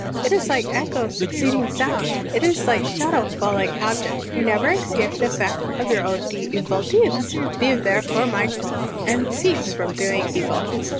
It is like echo succeeding sound, it is like shadow following object; you never escape the effect of yoiir own evil deeds. Be therefore mindful, and cease from doing evil.'"